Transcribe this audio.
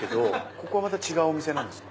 ここはまた違うお店なんですか？